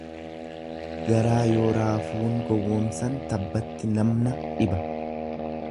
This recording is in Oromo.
Garaa yoo raafuun gowwomsan tabbatti namna dhiba.